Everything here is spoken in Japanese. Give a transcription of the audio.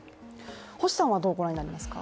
星さんはどう御覧になりますか。